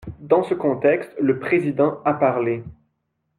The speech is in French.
Dans ce contexte, le Président a parlé.